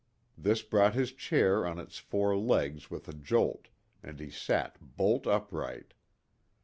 This brought his chair on its four legs with a jolt, and he sat bolt upright.